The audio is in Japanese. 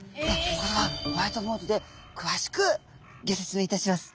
これはホワイトボードでくわしくギョ説明いたします。